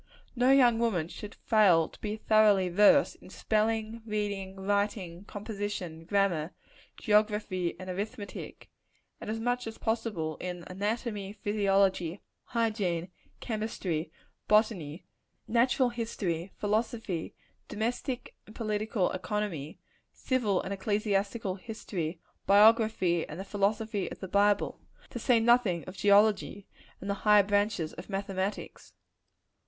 No young woman should fail to be thoroughly versed in spelling, reading, writing, composition, grammar, geography and arithmetic and as much as possible, in anatomy, physiology, hygiene, chemistry, botany, natural history, philosophy, domestic and political economy, civil and ecclesiastical history, biography, and the philosophy of the Bible to say nothing of geology, and the higher branches of mathematics.